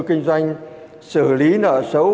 kinh doanh xử lý nợ sấu